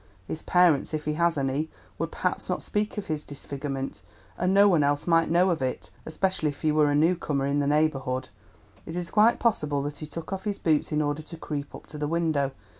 His parents, if he has any, would perhaps not speak of his disfigurement, and no one else might know of it, especially if he were a new comer in the neighbourhood. It is quite possible that he took off his boots in order to creep up to the window.